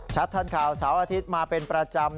ทันข่าวเสาร์อาทิตย์มาเป็นประจำ